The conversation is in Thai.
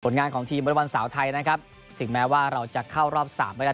งานของทีมบริบอลสาวไทยนะครับถึงแม้ว่าเราจะเข้ารอบสามไม่ได้